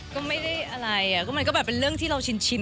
ก็ไม่ได้อะไรก็มันก็แบบเป็นเรื่องที่เราชิน